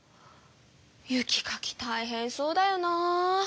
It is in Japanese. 雪かきたいへんそうだよなぁ。